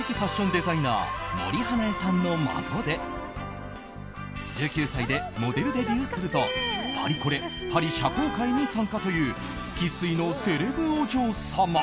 デザイナー森英恵さんの孫で１９歳でモデルデビューするとパリコレパリ社交界に参加という生粋のセレブお嬢様。